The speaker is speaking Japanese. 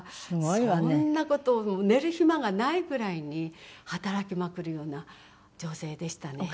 そんな事を寝る暇がないぐらいに働きまくるような女性でしたね。